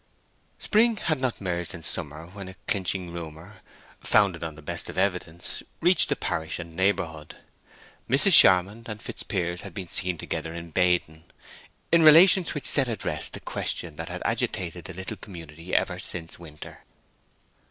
Spring had not merged in summer when a clinching rumor, founded on the best of evidence, reached the parish and neighborhood. Mrs. Charmond and Fitzpiers had been seen together in Baden, in relations which set at rest the question that had agitated the little community ever since the winter.